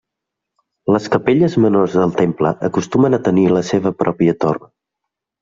Les capelles menors del temple acostumen a tenir la seva pròpia torre.